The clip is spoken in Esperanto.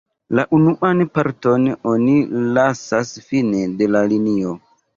La unuan parton oni lasas fine de la linio.